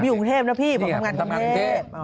ผมอยู่กระเทศนะพี่ผมทำงานกระเทศ